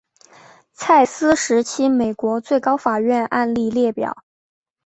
蔡斯时期美国最高法院案例列表